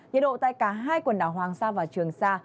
nhiệt độ tại cả hai quần đảo hoàng sa và trường sa